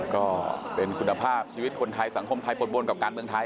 ก็เป็นคุณภาพชีวิตคนไทยสังคมไทยปนบนกับการเมืองไทย